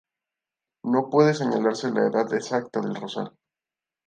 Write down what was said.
No puede señalarse la edad exacta del rosal.